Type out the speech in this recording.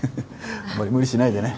あんまり無理しないでね。